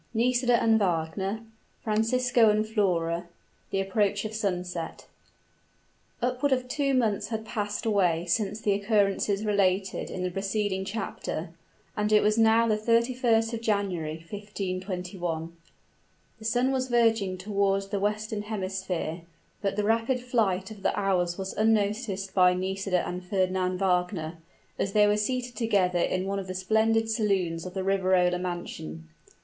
NISIDA AND WAGNER FRANCISCO AND FLORA THE APPROACH OF SUNSET. Upward of two months had passed away since the occurrences related in the preceding chapter, and it was now the 31st of January, 1521. The sun was verging toward the western hemisphere, but the rapid flight of the hours was unnoticed by Nisida and Fernand Wagner, as they were seated together in one of the splendid saloons of the Riverola mansion.